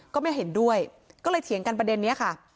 ก็ไม่เห็นด้วยก็เลยเถียงกันประเด็นนี้ค่ะ